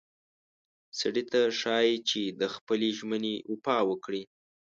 سړي ته ښایي چې د خپلې ژمنې وفا وکړي.